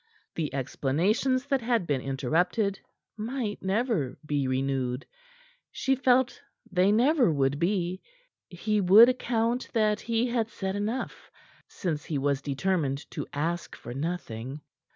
The explanations that had been interrupted might never be renewed; she felt they never would be; he would account that he had said enough; since he was determined to ask for nothing.